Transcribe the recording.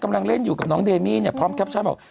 กำลังเล่นอยู่กับน้องเดมี่เนี่ยพร้อมแคปชั่นบอก